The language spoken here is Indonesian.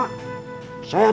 kalau saya bawa